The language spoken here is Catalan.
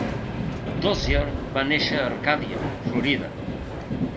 Dozier va néixer a Arcadia (Florida).